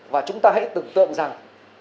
và chúng ta hãy tưởng tượng rằng